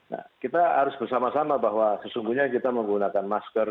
nah kita harus bersama sama bahwa sesungguhnya kita menggunakan masker